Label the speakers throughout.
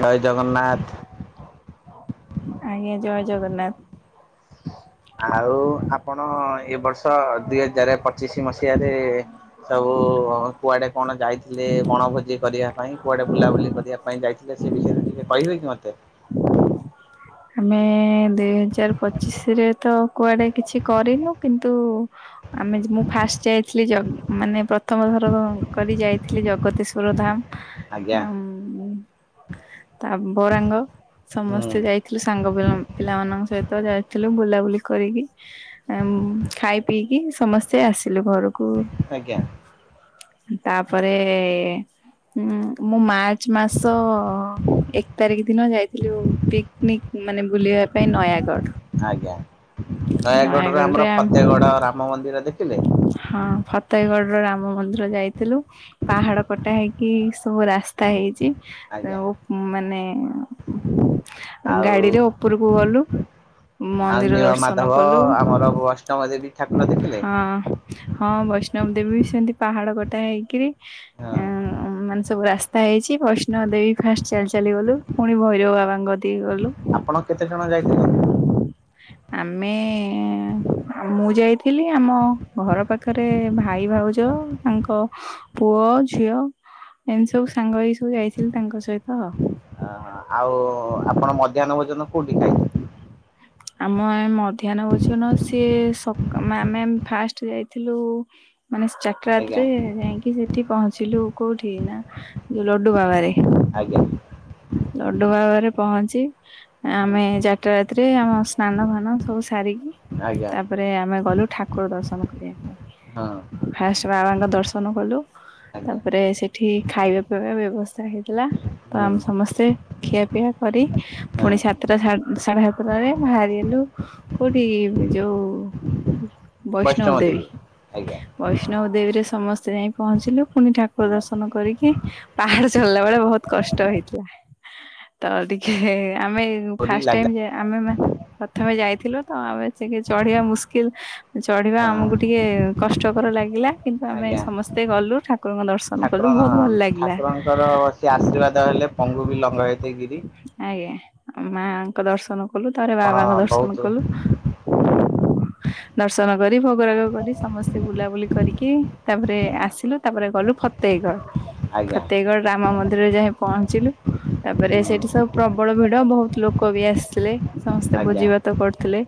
Speaker 1: ଜୟ ଜଗନ୍ନାଥ।
Speaker 2: ଆଜ୍ଞା ଜୟ ଜଗନ୍ନାଥ।
Speaker 1: ଆଉ ଆପଣ ଏ ବର୍ଷ ଦିହଜାରେ ପ ପଚିଶି ମସିହାରେ ସବୁ କୁଆଡେ କଣ ଯାଇଥିଲେ ବଣଭୋଜି କରିବା। କାଇଁ କୁଆଡେ ବୁଲାବୁଲି କରିବାପାଇଁ ଯାଇଥିଲେ ସେ ବିଷୟରେ ଟିକେ କହିବେକି ମତେ?
Speaker 2: ଆମେ ଦୁଇ ହଜାର ପଚିଶିରେ ତ କୁଆଡେ କିଛି କରିନୁ କିନ୍ତୁ। ଆମେ ଯିବ ମୁଁ ଫାଷ୍ଟେ ଯାଇଥିଲି ଜଗ ମାନେ ପ୍ର ପ୍ରଥମ ଥରକ କରି ଯାଇଥିଲି ଜଗତେଶ୍ୱର ଧାମ
Speaker 1: ଆଜ୍ଞା
Speaker 2: ଆଉ। ଉଁ ତା ବରାଙ୍ଗ
Speaker 1: ହୁଁ
Speaker 2: ସମସ୍ତେ ଯାଇ ଥିଲୁ ସାଙ୍ଗ ପିଲା ପିଲାମାନଙ୍କ ସହିତ ଯାଇଥିଲୁ ବୁଲାବୁଲି କରିକି। ଏମ୍ ଖାଇ ପିଇକି ସମସ୍ତେ ଆସିଲୁ ଘରୁକୁ।
Speaker 1: ଆଜ୍ଞା
Speaker 2: ତାପରେ। ହୁଁ ମୁଁ ମାର୍ଚ୍ଚମାସ ଏକ ତାରିଖ ଦିନ ଯାଇଥିଲି ଯୋଉ ପିକ୍ ନିକ ମାନେ ବୁଲିବା ପାଇଁ ନୟାଗଡ
Speaker 1: ଆଜ୍ଞା
Speaker 2: ନୟାଗଡରେ ଆମ୍
Speaker 1: ର ରାମ ମନ୍ଦିର ଦେଖିଲେ?
Speaker 2: ହଁ ଫତେହଗଡର ରାମ ମନ୍ଦିର ଯାଇଥିଲୁ। ପାହାଡ କଟା ହେଇକି ସବୁ ରାସ୍ତା ହେଇଛି।
Speaker 1: ଆଜ୍ଞା
Speaker 2: ଯୋଉ ମାନେ
Speaker 1: ଆଉ
Speaker 2: ଗାଡିରେ ଓପୁରୁକୁ ଗଲୁ।
Speaker 1: ଆଉ
Speaker 2: ମନ୍ଦିର
Speaker 1: ନୀଳ
Speaker 2: ଦର୍ଶନ
Speaker 1: ମାଧବ
Speaker 2: କଲୁ
Speaker 1: ଆମର ଅଷ୍ଟମ ଦେବୀ ଠାକୁର ଦେଖିଲେ?
Speaker 2: ହଁ ହଁ ବୈଷ୍ଣବ ଦେବୀ ସେମତି ପାହାଡ କଟା ହେଇକିରି।
Speaker 1: ହଁ
Speaker 2: ଉଁ ମାନେ ସବୁ ରା ଯାଇଛି ବୈଷ୍ଣମ ଦେବୀ ଫାଷ୍ଟ ଚାଲି ଚାଲି ଗଲୁ ପୁଣି ଭୈରବ
Speaker 1: ଆଜ୍ଞା
Speaker 2: ବାବାଙ୍କ। ଠିକି ଗଲୁ।
Speaker 1: ଆପଣ କେତେ ଜଣ ଯାଇଥିଲେ?
Speaker 2: ଆମେ ମୁଁ ଯାଇଥିଲି। ଆମ ଘର ପାଖରେ ଭାଇ ଭାଉଜ ତାଙ୍କ ପୁଅ ଝିଅ। ଏମତି ସବୁ ସାଙ୍ଗ ହେଇକି ସବୁ ଯାଇଥିଲୁ ତାଙ୍କ ସହିତ।
Speaker 1: ଅହ ଆଉ ଆପଣ ମଧ୍ୟାହ୍ନ ଭୋଜନ କୋଉଠି ଖାଇଲେ?
Speaker 2: [unintelligible] ଆମ ମଧ୍ୟାହ୍ନ ଭୋଜନ ସିଏ ସକ୍ ଆମେ ଫାଷ୍ଟ ଯାଇଥିଲୁ ମାନେ ଚାଟା
Speaker 1: ଆଜ୍ଞା?
Speaker 2: ରାତିରେ ଯାଇକି ସେଠି ପହଞ୍ଚିଲୁ କୋଉଠି ନା ଯୋଉ ଲଡୁ ବାବାରେ।
Speaker 1: ଆଜ୍ଞା
Speaker 2: ଲଡୁ ବାବାରେ ପହଞ୍ଚି ଆମେ ଚାରିଟା ରାତି ରେ ଆମ ସ୍ନାନ ଭାନ ସବୁ ସାରିକି
Speaker 1: ଆଜ୍ଞା।
Speaker 2: ତାପରେ ଆମେ ଗଲୁ ଠାକୁର ଦର୍ଶନ କରିବା ପାଇଁ
Speaker 1: ହଁ।
Speaker 2: ଫାଷ୍ଟ ବାବାଙ୍କ ଦର୍ଶନ କଲୁ
Speaker 1: ଆଜ୍ଞା
Speaker 2: ତାପରେ ସେଠି ଖାଇବା ପିଇବା ବ୍ୟବସ୍ଥା ହେଇଥିଲା ତ
Speaker 1: ହୁଁ
Speaker 2: ଆମେ ସମସ୍ତେ ଖିଆପିଆ କରି
Speaker 1: ହଁ
Speaker 2: ପୁଣି ସାତଟା ସାଢେ ସାତଟରେ ବାହାରି ହେଲୁ କୋଉଠି ଯୋଉ ବୈଷ୍ଣବ ଦେବୀ
Speaker 1: ଆଜ୍ଞା
Speaker 2: ବୈଷ୍ ନବଦେବୀରେ ସମସ୍ତେ ଯାଇ ପହଞ୍ଚିଲୁ ପୁଣି ଠାକୁର
Speaker 1: ହଁ
Speaker 2: ଦର୍ଶନ କରିକି
Speaker 1: ହଁ
Speaker 2: ପାହାଡ଼ ଚଡ଼ିଲା ବେଳେ ବହୁତ କଷ୍ଟ ହେଇଥିଲା ତ ଟିକେ ଆମେ
Speaker 1: ଡୋରି
Speaker 2: ଫାଷ୍ଟ ଟାଇମ
Speaker 1: ଲାଗିଲା
Speaker 2: ଯା ଆମେ ମାନ ପ୍ରଥମେ ଯାଇଥିଲୁ ତ ଆମେ ସେ ଚଢିବା ମୁସ୍କିଲ ଚଢିବା ଆମକୁ
Speaker 1: ହଁ
Speaker 2: ଟିକେ କଷ୍ଟକର ଲାଗିଲା କିନ୍ତୁ ଆମେ
Speaker 1: ଆଜ୍ଞା
Speaker 2: ସମସ୍ତେ ଗଲୁ ଠା କୁରଙ୍କ ଦର୍ଶନ କଲୁ ବହୁତ ଭଲ ଲାଗିଲା।
Speaker 1: ର ସେ ଆଶୀର୍ବାଦ ହେଲେ ପଙ୍ଗୁ ବି ଲଙ୍ଗା ହେଇଥା ଗିରି
Speaker 2: ଆଜ୍ଞା ମାଙ୍କ ଦର୍ଶନ କଲୁ ତାପରେ ବାବାଙ୍କ ଦର୍ଶନ କଲୁ।
Speaker 1: ହଁ।
Speaker 2: ଦର୍ଶନ କରି ଭୋଗରାଗ କରି ସମସ୍ତେ ବୁଲାବୁଲି କରିକି ତାପରେ ଆସିଲୁ। ତାପରେ ଗଲୁ ଫତେହଗଡ
Speaker 1: ଆଜ୍ଞା
Speaker 2: ଫତେହଗଡ ରାମ ମନ୍ଦିରରେ ଯାଇ ପହଞ୍ଚିଲୁ ତାପରେ
Speaker 1: ହୁଁ
Speaker 2: ସେଇଠି ସବୁ ପ୍ରବଳ ଭିଡ ବହୁତ ଲୋକ ବି ଆସିଥିଲେ ସମସ୍ତେ
Speaker 1: ଆଜ୍ଞା
Speaker 2: ଭୋଜି ଭାତ କରୁଥିଲେ।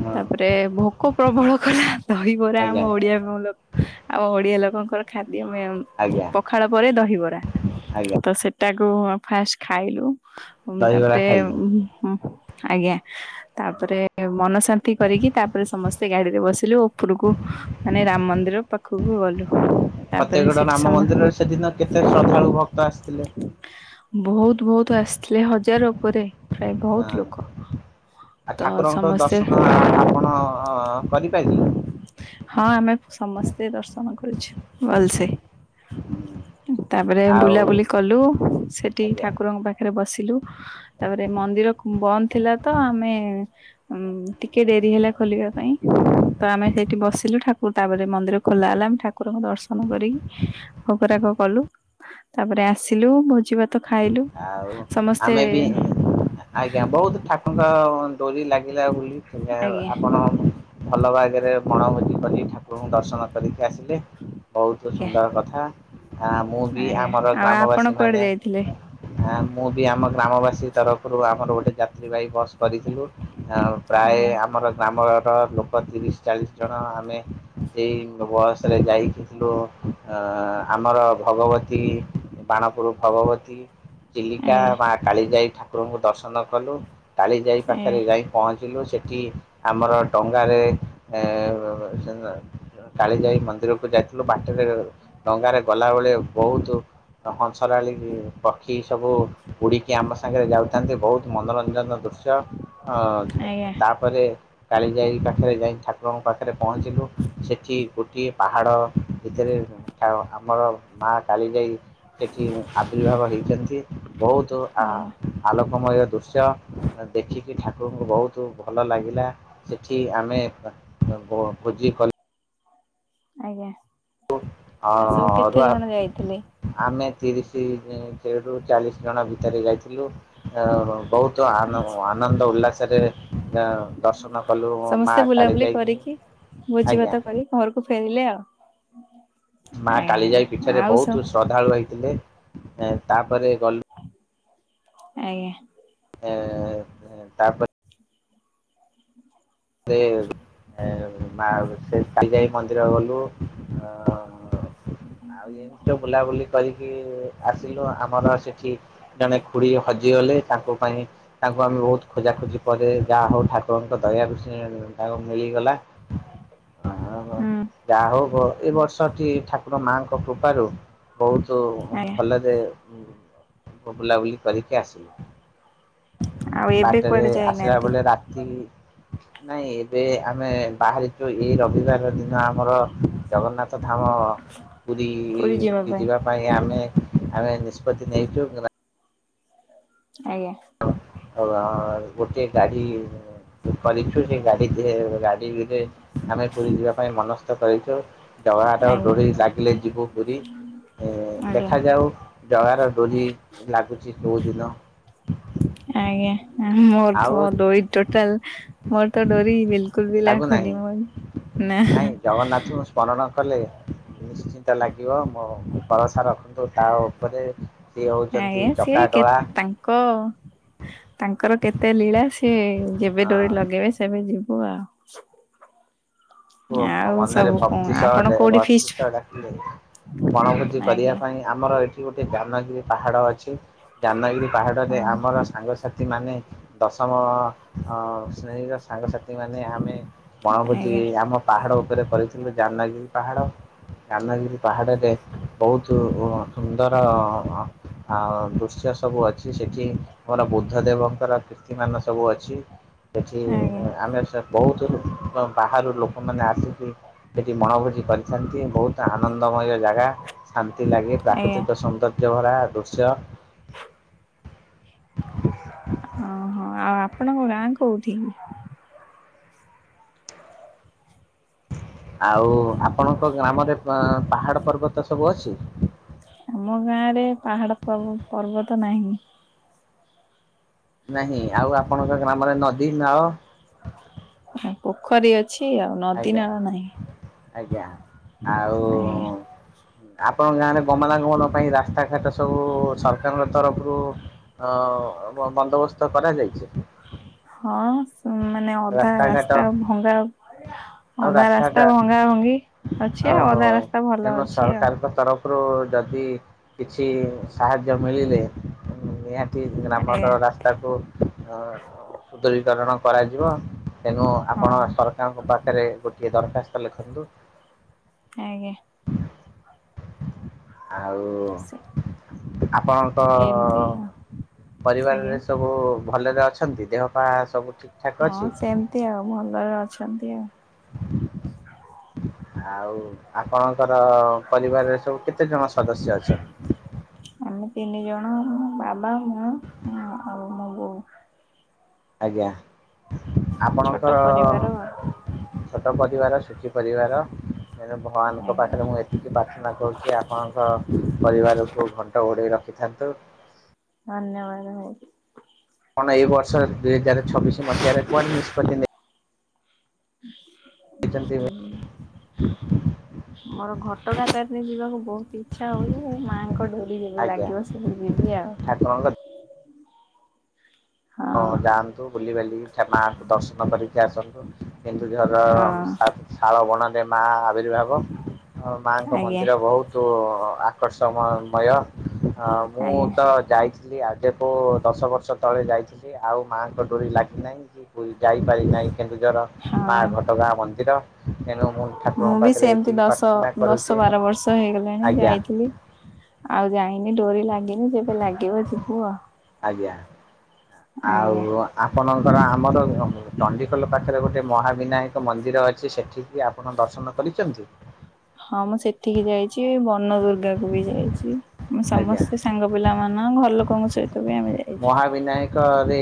Speaker 1: ହଁ।
Speaker 2: ତାପରେ ଭୋକ ପ୍ରବଳ କଲା ଦହିବରା
Speaker 1: ଆଜ୍ଞା
Speaker 2: ଆମ ଓଡିଆ ମଲ ଆଉ ଓଡିଆ ଲୋକଙ୍କର ଖାଦ୍ୟ।
Speaker 1: ଆଜ୍ଞା।
Speaker 2: ପଖାଳ ପରେ ଦହିବରା ତ ସେଟାକୁ ଫାଷ୍ଟ ଖାଇଲୁ
Speaker 1: ଦହିବରା
Speaker 2: ତାପରେ
Speaker 1: ଖାଇଲେ
Speaker 2: ଆଜ୍ଞା ତାପରେ ମନସ୍ ଶାନ୍ତି କରିକି ତାପରେ ସମସ୍ ତେ ଗାଡିରେ ବସିଲୁ ଉପରକୁ ମାନେ ରାମ ମନ୍ଦିର ପାଖକୁ ଗଲୁ। ତାପରେ
Speaker 1: ଫତେଗଡ଼
Speaker 2: ସେଠି
Speaker 1: ରାମ
Speaker 2: ସମ
Speaker 1: ମନ୍ଦିରରେ ସେଦିନ କେତେ ଶ୍ରଦ୍ଧାଳୁ ଭକ୍ତ ଆସିଥିଲେ?
Speaker 2: ବହୁତ ବହୁତ ଆସିଥିଲେ ହଜାର ଉପରେ। ପ୍ରାୟ
Speaker 1: ହଁ
Speaker 2: ବହୁତ ଲୋକ
Speaker 1: ଆ
Speaker 2: ତ
Speaker 1: ଠାକୁରଙ୍କ
Speaker 2: ସମସ୍ତେ
Speaker 1: ଦର୍ଶନ ଆପଣ କରି ପାରିଲେ?
Speaker 2: ହଁ ଆମେ ସମସ୍ତେ ଦର୍ଶନ କରିଛୁ ଭଲସେ। ତାପରେ
Speaker 1: ଆଉ
Speaker 2: ବୁଲାବୁଲି କଲୁ ସେଠି
Speaker 1: ଆଜ୍ଞା
Speaker 2: ଠାକୁରଙ୍କ ପାଖରେ ବସିଲୁ। ତାପରେ ମନ୍ଦିର ବନ୍ଦ ଥିଲା ତ ଆମେ ହଁ ଟିକେ ଡେରି ହେଲା ଖୋଲିବା ପାଇଁ। ତ ଆମେ ସେଇଠି ବସିଲୁ ଠାକୁର ତାପରେ ମନ୍ଦିର ଖୋଲା ହେଲା ଆମେ ଠାକୁରଙ୍କ ଦର୍ଶନ କରିକି ଭୋଗରାଗ କଲୁ ତାପରେ ଆସିଲୁ ଭୋଜିଭା ତ ଖାଇଲୁ
Speaker 1: ଆଉ
Speaker 2: ସମସ୍ତେ
Speaker 1: ଆମେ ବି ଆଜ୍ଞା ବହୁତ ଠାକୁଙ୍କର ଡୋରି ଲାଗିଲା ବୋଲି
Speaker 2: ଆଜ୍ଞା
Speaker 1: ଆପଣ ଭଲ ଭାଗରେ ବଣଭୋଜି କରି ଠାକୁରଙ୍କୁ ଦର୍ଶନ କରିକି ଆସିଲେ। ବହୁତ
Speaker 2: ଆଜ୍ଞା
Speaker 1: ସୁନ୍ଦର କଥା ଆ ମୁଁ ବି
Speaker 2: ଆଜ୍ଞା
Speaker 1: ଆମର
Speaker 2: ଆଉ ଆପଣ
Speaker 1: ଗ୍ରାମବାସୀ
Speaker 2: କୁଆଡେ
Speaker 1: ମାନେ
Speaker 2: ଯାଇଥିଲେ?
Speaker 1: ଆ ମୁଁ ବି ଆମ ଗ୍ରାମବାସୀ ତରଫରୁ ଆମର ଗୋଟେ ଯାତ୍ରୀବାହୀ ବସ୍ କରିଥିଲୁ ଆଉ ପ୍ରାୟ
Speaker 2: ଆଜ୍ଞା
Speaker 1: ଆମର ଗ୍ରାମର ଲୋକ ତିରିଶ ଚାଳିଶ ଜଣ ଆମେ ଏଇ ବସରେ ଯାଇକିଥିଲୁ ଆ ଆମର ଭଗବତୀ ବାଣପୁର ଭଗବତୀ ଚିଲିକା
Speaker 2: ଆଜ୍ଞା
Speaker 1: ମା କାଳି ଯାଇ ଠାକୁରଙ୍କୁ ଦର୍ଶନ କଲୁ କାଳି ଯାଇ ପାଖରେ
Speaker 2: ଆଜ୍ଞା
Speaker 1: ଯାଇ ପହଞ୍ଚିଲୁ ସେଠି ଆମର ଡଙ୍ଗାରେ [unintelligible] କାଳିଯାଇ ମନ୍ଦିରକୁ ଯାଇ ଲୁ ବାଟରେ ଡଙ୍ଗାରେ ଗଲାବେଳେ ବୋହୁତୁ ହଂସରାଳି ପ ଖି ସବୁ ଉଡିକି ଆମ ସାଙ୍ଗରେ ଯାଉଥାନ୍ତି ବୋହୁତୁ ମନରଞ୍ଜନର ଦୃଶ୍ୟ ଅ
Speaker 2: ଆଜ୍ଞା
Speaker 1: [unintelligible] ତା ପରେ କାଳିଜାଇ ପାଖରେ ଯାଇ ଠାକୁରଙ୍କ ପାଖରେ ପହଞ୍ଚିଲୁ। ସେଠି ଗୋଟିଏ ପାହାଡ ଭିତରେ ଆଉ ଆମର ମା କାଳି ଯାଇ ସେଠି ଆବିର୍ଭାବ ହେଇ ବୋହୁତୁ
Speaker 2: ଆଜ୍ଞା
Speaker 1: ଆଲୋକମୟ ଦୃଶ୍ୟ ଦେଖିକି ଠାକୁରଙ୍କୁ ବୋହୁତ ଭଲ ଲାଗିଲା ସେଠି ଆମେ [unintelligible] ଭୋ-ଭୋଜି କ
Speaker 2: ଆଜ୍ଞା ଆ ସବୁ କେତେ
Speaker 1: ଅରୁଆ
Speaker 2: ଜଣ ଯାଇଥିଲେ?
Speaker 1: ଆମେ ତିରିଶ [unintelligible] ରୁ ଚାଳିଶ ଜଣ ଭିତରେ ଯାଇଥିଲୁ। ଏଣୁ ବହୁତ ଆନ-ଆନନ୍ଦ ଉଲ୍ଲାସରେ ଏଁ ଦର୍ଶନ କଲୁ ମା
Speaker 2: ସମସ୍ତେ ବୁଲାବୁଲି
Speaker 1: କାଳିଯାଇ।
Speaker 2: କରିକି ଭୋଜି ଭାତ କରି ଘରକୁ ଫେରିଲେ ଆଉ।
Speaker 1: ମା
Speaker 2: ଆଜ୍ଞା
Speaker 1: କାଲି ଯାଇ ପିଠରେ
Speaker 2: ଆଉ ସ
Speaker 1: ବୋହୁତ ଶ୍ରଦ୍ଧାଳୁ ହେଇଥିଲେ ତାପରେ ଗ
Speaker 2: ଆଜ୍ଞା।
Speaker 1: ଏଁ ଏଁ ତାପ ରେ ଏଁ ମା ସେ କାଲି ଯାଇ ମନ୍ଦିର ଗଲୁ ଆଁ ହ ଆଉ ଏମିତି ତ ବୁଲାବୁଲି କରିକି ଆସିଲୁ ଆମର ସେଠି ଜଣେ ଖୁଡି ହଜିଗଲେ ତାଙ୍କ ପାଇଁ ତାଙ୍କୁ ଆମେ ବୋହୁତ ଖୋଜା ଖୋଜି ପରେ ଯାହା ହୋଉ ଠାକୁରଙ୍କ ଦୟାରୁ ସେ ତାକୁ ମିଳିଗଲା।
Speaker 2: ହୁଁ।
Speaker 1: ଯାହା ହୋଉ ବ ଏ ବର୍ଷଟି ଠାକୁର ମାଙ୍କ କୃପାରୁ ବୋହୁତୁ
Speaker 2: ଆଜ୍ଞା।
Speaker 1: ଭଲରେ ବୁଲାବୁଲି କରିକି
Speaker 2: ଆଉ
Speaker 1: ଆସିଲୁ।
Speaker 2: ଏବେ
Speaker 1: ବାଟରେ
Speaker 2: କୁଆଡେ
Speaker 1: ଆସିଲା
Speaker 2: ଯାଇନାହାନ୍ତି
Speaker 1: ବେଳେ ରାତି ନାଇଁ ଏବେ ଆମେ ବାହାରିଚୁ ଏଇ ରବିବାର ଦିନ ଆମର ଜଗନ୍ନାଥ ଧାମ ପୁରୁକି ଯିବା ପାଇଁ ଆମେ ଆମେ ନିଷ୍ପତି ନେଇଚୁ।
Speaker 2: ଆଜ୍ଞା।
Speaker 1: ହୋ ଆ ଗୋଟିଏ ଗାଡି କରିଚୁ ସେ ଗାଡି ଯେ ଗା ଏଇ ଭିତରେ ଆମେ ପୁରି ଯିବା ପାଇଁ ମନସ୍ଥ କରିଚୁ। ଜଗନ୍ନାଥଙ୍କ
Speaker 2: ଆଜ୍ଞା।
Speaker 1: ଡୋରି ଲାଗିଲେ ଯିବୁ ପୁରି ଏ
Speaker 2: ଆଜ୍ଞା
Speaker 1: ଦେଖାଯାଉ। ଜଗାର ଡୋରି ଲାଗୁଚି କୋଉ ଦିନ।
Speaker 2: ଆଜ୍ଞା। ମୋର
Speaker 1: ଆଉ
Speaker 2: ତ ଡୋରି ଟୋଟାଲ ମୋର ତ ଡୋରି ବିଲକୁଲ ବି ଲାଗୁନି
Speaker 1: ଲାଗୁନାହିଁ
Speaker 2: ମଇ।
Speaker 1: ନାଇଁ ଜଗନ୍ନାଥଙ୍କୁ ସ୍ମରଣ କଲେ। ନିଶ୍ଚିନ୍ତ ଲାଗିବ ମୋ ଭରସା ରଖନ୍ତୁ ତା ଓପରେ।
Speaker 2: ନା ଆଜ୍ଞା ସିଏ କେ ତାଙ୍କ ତାଙ୍କର କେତେ ଲୀଳା ସିଏ ଯେବେ ଡୋରି ଲଗେଇବେ ସେବେ ଯିବୁ ଆଉ। [unintelligible]
Speaker 1: ବୋ
Speaker 2: ଆଉ
Speaker 1: ମନରେ
Speaker 2: ସବୁ କଣ
Speaker 1: ଭକ୍ତି ସହ
Speaker 2: ଆପଣ କୋଉଠି
Speaker 1: ଭକ୍ତି
Speaker 2: ଫିଷ୍ଟ
Speaker 1: ସହ ଡାକିଲେ ବଣଭୋଜି କରିଆ
Speaker 2: ଆଜ୍ଞା
Speaker 1: ପାଇଁ ଆମର ଏଠି ଗୋଟେ ଦାନାଗିରି ପାହାଡ ଅଛି। ଦାନାଗିରି ପାହାଡରେ
Speaker 2: ହଁ।
Speaker 1: ଆମର ସାଙ୍ଗସାଥି ମାନେ ଦଶମ ଶ୍ରେଣୀର ସାଙ୍ଗସାଥି ମାନେ ଆମେ ବଣଭୋଜି
Speaker 2: ଆଜ୍ଞା
Speaker 1: ଆମ ପାହାଡ ଉପରେ କରିଥିଲୁ, ଜାନାଗିରି ପାହାଡ, ଜାନଗିରି ପାହାଡରେ ବହୁତୁ ସୁନ୍ଦର ଆଉ ଦୃଶ୍ୟ ସବୁ ଅଛି ସେଠି ମୋର ବୁଦ୍ଧ ଦେବଙ୍କର ତି ମାନ ସବୁ ଅଛି, ସେଠି
Speaker 2: ଆଜ୍ଞା
Speaker 1: ଆମେ ବହୁତୁ ବାହାରୁ ଲୋକ ଲୋକମାନେ ଆସିକି ସେଠି ମଣଭୋଜି କରିଥାନ୍ତି ବୋହୁ ଆନନ୍ଦମୟ ଜାଗା, ଶାନ୍ତି ଲାଗେ,
Speaker 2: ଆଜ୍ଞା
Speaker 1: ପ୍ରାକୃତିକ ସୌନ୍ଦର୍ଯ୍ୟ ଭରା ଦୃଶ୍ୟ।
Speaker 2: ଓହୋ, ଆଉ ଆପଣଙ୍କ ଗାଁ କୋଉଠି?
Speaker 1: ଆଉ ଆପଣଙ୍କ ଗ୍ରାମରେ ପାହାଡ ପର୍ବତ ସବୁ ଅଛି?
Speaker 2: ଆମ ଗାଁ ରେ ପାହାଡ ପର୍ବତ ନାହିଁ।
Speaker 1: ନାହିଁ, ଆଉ ଆପଣଙ୍କ ଗ୍ରାମରେ ନଦୀ, ନାଳ?
Speaker 2: ପୋଖରୀ ଅଛି ଆଉ। ନଦୀ
Speaker 1: ଆଜ୍ଞା,
Speaker 2: ନାଳ ନାହିଁ
Speaker 1: ଆଜ୍ଞା, ଆଉ
Speaker 2: ଆଜ୍ଞା।
Speaker 1: ଆପଣଙ୍କ ଗାଁ ରେ ଗମନାଗମନ ପାଇଁ ରାସ୍ତାଘାଟ ସବୁ ସରକାରଙ୍କ ତରଫରୁ ଅ ବନ୍ଦବସ୍ତ କରାଯାଇଚି।
Speaker 2: ହଁ, ମାନେ ଅଧା,
Speaker 1: ରାସ୍ତାଘାଟ
Speaker 2: ରାସ୍ତା, ଭଙ୍ଗା
Speaker 1: ଆଉ
Speaker 2: ଅଧା ରାସ୍ତା
Speaker 1: ରାସ୍ତାଟା
Speaker 2: ଭଙ୍ଗା ଭଙ୍ଗି ଅଛି ଆଉ
Speaker 1: ଓହୋ
Speaker 2: ଅଧା ରାସ୍ତା ଭଲ
Speaker 1: ତେଣୁ
Speaker 2: ଅଛି ଆଉ।
Speaker 1: ସରକାରଙ୍କ ତରଫରୁ ଯଦି କିଛି ସାହାଯ୍ୟ ମିଳିଲେ ନିହା ତି ଗ୍ରାମର
Speaker 2: ଆଜ୍ଞା।
Speaker 1: ରାସ୍ତାକୁ ଅ ସୁଦୁରୀକରଣ କରାଯିବ। ତେଣୁ ଆପଣ
Speaker 2: ହଁ
Speaker 1: ସରକାରଙ୍କ ପାଖେରେ ଗୋଟିଏ ଦରଖାସ୍ତ ଲେଖନ୍ତୁ।
Speaker 2: ଆଜ୍ଞା।
Speaker 1: ଆଉ
Speaker 2: ସେ
Speaker 1: ଆପଣ ତ
Speaker 2: ଏମିତି ଆଉ ଆଜ୍ଞା।
Speaker 1: ପରିବାରରେ ସବୁ ଭଲରେ ଅଛନ୍ତି ଦେହ ପା ସବୁ ଠିକ୍ ଠାକ୍
Speaker 2: ହଁ
Speaker 1: ଅଛି
Speaker 2: ସେମିତି ଆଉ ଭଲରେ ଅଛନ୍ତି ଆଉ।
Speaker 1: ଆଉ ଆପଣଙ୍କର ପରିବାରରେ ସବୁ କେତେ ଜଣ ସଦସ୍ୟ ଅଛନ୍ତି?
Speaker 2: ଆମେ ତିନି ଜଣ ମୋ ବାବା, ମୁଁ, ଆଉ ମୋ ବୋଉ।
Speaker 1: ଆଜ୍ଞା
Speaker 2: ଛୋଟ
Speaker 1: ଆପଣଙ୍କର
Speaker 2: ପରିବାର
Speaker 1: ଛୋଟ ପରିବାର ସୁଖୀ ପରିବାର ଏଣୁ ଭଗବାନଙ୍କ
Speaker 2: ଆଜ୍ଞା
Speaker 1: ପାଖରେ ମୁଁ ଏ ତିକି ପ୍ରାର୍ଥନା କରୁଚି ଆପଣଙ୍କ ପରିବାରକୁ ଘଣ୍ଟ ଘୋଡ଼େଇ ରଖିଥାନ୍ତୁ।
Speaker 2: ଧନ୍ୟବାଦ [unintelligible]
Speaker 1: କଣ ଏଇ ବର୍ଷ ଦୁଇ ହଜାରେ ଛବିଶି ମସିହାରେ କୁଆଡେ ନିଷ୍ପତି ନେଇ ଛନ୍ତି
Speaker 2: ମୋର ଘଟଗାଁ ତାରିଣୀ ଯିବାକୁ ବହୁତ୍ ଇ ଇଚ୍ଛା ହଉଚି, ଯେବେ ମାଆଙ୍କ ଡୋରି ଯେବେ
Speaker 1: ଆଜ୍ଞା
Speaker 2: ଲାଗିବ ସେବେ ଯିବି ଆଉ।
Speaker 1: [unintelligible] ହଁ ଯାଆନ୍ତୁ ବୁଲିିବାଲିକି ଠା ମାଆଙ୍କୁ ଦର୍ଶନ କରିକି ଆସନ୍ତୁ। କେନ୍ଦୁଝର
Speaker 2: ହଁ
Speaker 1: ଶା ଶାଳ ବଣରେ ମା ଆବିର୍ଭାବ। ଆ ମା ଙ୍କ
Speaker 2: ଆଜ୍ଞା
Speaker 1: ମନ୍ଦିର ବହୁତୁ ଆକର୍ଷମୟ। ହଁ ମୁଁ
Speaker 2: ଆଜ୍ଞା
Speaker 1: ତ ଯାଇଥିଲି ଆଜକୁ ଦଶ ବର୍ଷ ତଳେ ଯାଇଥିଲି। କି ଆଉ ମାଆଙ୍କ ଡୋରି ଲାଗି ନାହିଁ କି। କୁ ଯାଇପାରି ନାହିଁ କେନ୍ଦୁଝର ମା
Speaker 2: ହଁ।
Speaker 1: ଘଟଗାଁ ମନ୍ଦିର। ତେଣୁ ଠାକୁରଙ୍କ
Speaker 2: ମୁଁ ବି
Speaker 1: ପାଖରେ
Speaker 2: ସେମିତି
Speaker 1: ଏତିକି
Speaker 2: ଦଶ
Speaker 1: ପ୍ରାର୍ଥନା କରୁଛି
Speaker 2: ଦଶ, ବାର ବର୍ଷ ହେଇଗଲାଣି
Speaker 1: ଆଜ୍ଞା
Speaker 2: ଯାଇଥିଲି। ଆଉ ଯାଇନି ଡୋରି ଲାଗିନି ଯେବେ ଲାଗିବ ଯିବୁ ଆଉ।
Speaker 1: ଆଜ୍ଞା
Speaker 2: ଆଜ୍ଞା।
Speaker 1: ଆଉ ଆପଣଙ୍କର ଆମର [unintelligible] ଚଣ୍ଡିଖୋଲ ପାଖରେ ଗୋଟେ ମହାବିନାୟକ ମନ୍ଦିର ଅଛି। ସେଠିକି ଆପଣ ଦର୍ଶନ କରିଚନ୍ତି?
Speaker 2: ହଁ ମୁଁ ସେଠିକି ଯାଇଚି ବନ ଦୁର୍ଗାକୁ ବି ଯାଇଚି ମୁଁ
Speaker 1: ଆଜ୍ଞା
Speaker 2: ସମସ୍ତେ ସାଙ୍ଗ ପିଲା ମାନ ଘର ଲୋକଙ୍କ ସହିତ ବି ଆମେ ଯାଇଚୁ।
Speaker 1: ବିନାୟକ ରେ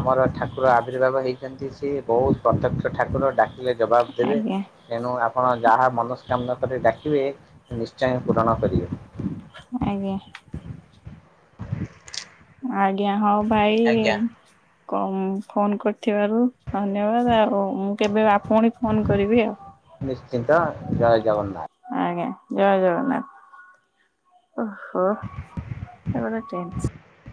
Speaker 1: ଆମର ଠାକୁର ଆବିର୍ଭାବ ହେଇଛନ୍ତି ସିଏ ବହୁତ ପ୍ରତ୍ୟକ୍ଷ ଠାକୁର। ଡାକିଲେ ଜବାବ ଦେବେ।
Speaker 2: ଆଜ୍ଞା
Speaker 1: ତେଣୁ ଆପଣ ଯାହା ମନସ୍କାମନା କରି ଡାକିବେ ନିଶ୍ଚୟ ପୂରଣ କରିବେ।
Speaker 2: ଆଜ୍ଞା। ଆଜ୍ଞା ହଉ ଭାଇ।
Speaker 1: ଆଜ୍ଞା
Speaker 2: କ ଫୋନ କରିଥିବାରୁ ଧନ୍ୟବାଦ ଆଉ ମୁଁ। କେବେ ଆ ପୁଣି ଫୋନ କରିବି
Speaker 1: ନିଶ୍ଚିନ୍ତ
Speaker 2: ଆଉ।
Speaker 1: ଜୟ ଜଗନ୍ନାଥ।
Speaker 2: ଆଜ୍ଞା ଜୟ ଜଗନ୍ନାଥ। ଓହୋ ଏ ଗୋଟେ ଟେନ୍